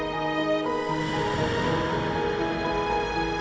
kamu mau jagah umm scars makasih